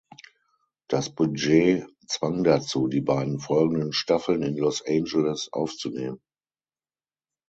Das Budget zwang dazu, die beiden folgenden Staffeln in Los Angeles aufzunehmen.